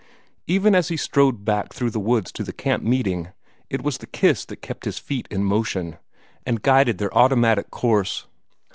Even as he strode back through the woods to the camp meeting, it was the kiss that kept his feet in motion, and guided their automatic course.